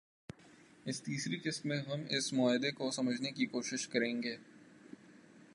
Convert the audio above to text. اس تیسری قسط میں ہم اس معاہدے کو سمجھنے کی کوشش کریں گے